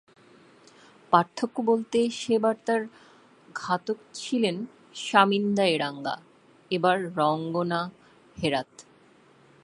পার্থক্য বলতে, সেবার তাঁর ঘাতক ছিলেন শামিন্দা এরাঙ্গা, এবার রঙ্গনা হেরাথ।